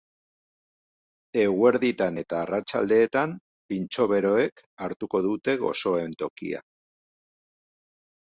Eguerditan eta arratsaldeetan, pintxo beroek hartuko dute gozoen tokia.